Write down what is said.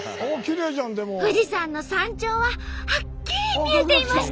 富士山の山頂ははっきり見えていました。